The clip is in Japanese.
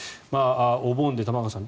お盆で、玉川さん